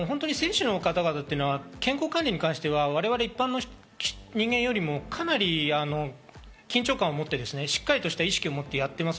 選手の方々というのは健康管理に関して、我々一般の人間よりかなり緊張感を持って、しっかりした意識を持ってやっています。